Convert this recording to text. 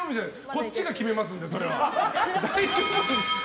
こっちが決めますので、それは。